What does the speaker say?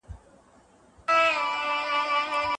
رادیولوژیسټ څه معاینه کوي؟